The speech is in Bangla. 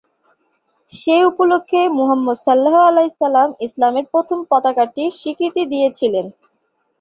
সে উপলক্ষে মুহাম্মদ ইসলামের প্রথম পতাকাটি স্বীকৃতি দিয়েছিলেন।